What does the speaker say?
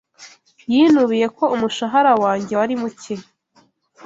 Yinubiye ko umushahara wanjye wari muke.